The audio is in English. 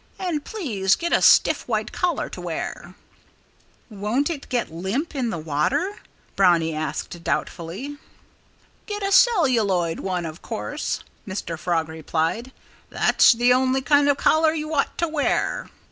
"And please get a stiff white collar to wear." "Won't it get limp in the water?" Brownie asked, doubtfully. "Get a celluloid one, of course," Mr. Frog replied. "That's the only kind of collar you ought to wear."